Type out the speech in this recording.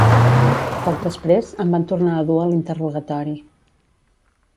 Poc després, em van tornar a dur a l’interrogatori.